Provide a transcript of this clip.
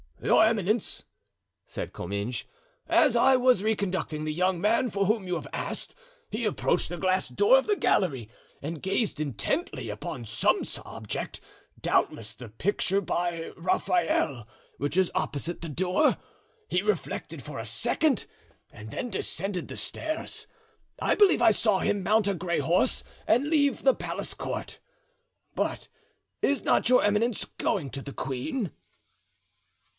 "Your eminence," said Comminges, "as I was re conducting the young man for whom you have asked, he approached the glass door of the gallery, and gazed intently upon some object, doubtless the picture by Raphael, which is opposite the door. He reflected for a second and then descended the stairs. I believe I saw him mount a gray horse and leave the palace court. But is not your eminence going to the queen?"